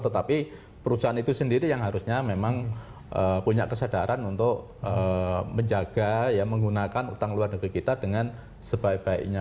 tetapi perusahaan itu sendiri yang harusnya memang punya kesadaran untuk menjaga menggunakan utang luar negeri kita dengan sebaik baiknya